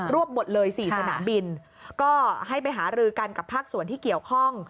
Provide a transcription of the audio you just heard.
วบหมดเลย๔สนามบินก็ให้ไปหารือกันกับภาคส่วนที่เกี่ยวข้อง